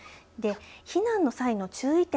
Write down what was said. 避難の際の注意点